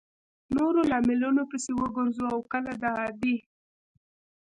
نورو لاملونو پسې وګرځو او کله د عادي